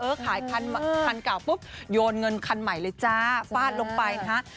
ขายคันเก่าปุ๊บโยนเงินคันใหม่เลยจ้าฟาดลงไปนะฮะ